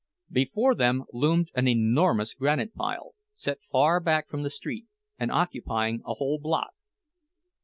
Before them there loomed an enormous granite pile, set far back from the street, and occupying a whole block.